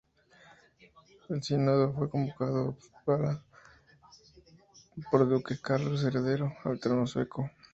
El sínodo fue convocado en Upsala por el Duque Carlos, heredero al trono sueco.